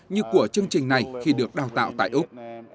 như của chương trình này khi được đào tạo tại úc